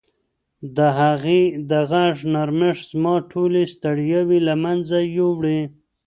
د هغې د غږ نرمښت زما ټولې ستړیاوې له منځه یووړې.